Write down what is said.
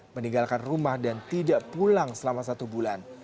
meninggalkan rumah dan tidak pulang selama satu bulan